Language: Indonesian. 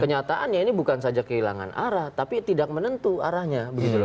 kenyataannya ini bukan saja kehilangan arah tapi tidak menentu arahnya